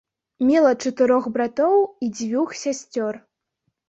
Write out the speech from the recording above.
Мела чатырох братоў і дзвюх сясцёр.